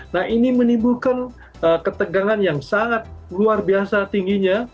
nah ini menimbulkan ketegangan yang sangat luar biasa tingginya